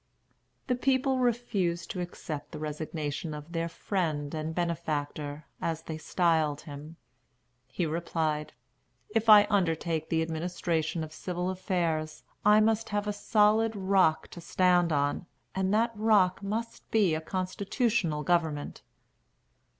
The people refused to accept the resignation of their "friend and benefactor," as they styled him. He replied: "If I undertake the administration of civil affairs, I must have a solid rock to stand on; and that rock must be a constitutional government."